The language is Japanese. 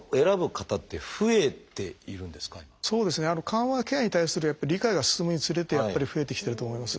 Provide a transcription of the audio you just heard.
緩和ケアに対する理解が進むにつれてやっぱり増えてきてると思います。